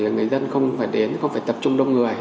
người dân không phải đến không phải tập trung đông người